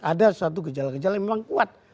ada suatu gejala gejala yang memang kuat